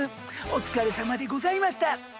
お疲れさまでございました。